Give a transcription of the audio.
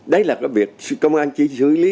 đấy là cái việc công an chỉ xử lý